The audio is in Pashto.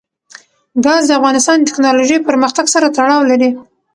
ګاز د افغانستان د تکنالوژۍ پرمختګ سره تړاو لري.